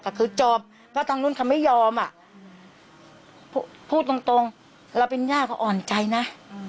ก็คือจบเพราะทางนู้นเขาไม่ยอมอ่ะพูดตรงเราเป็นย่าก็อ่อนใจนะ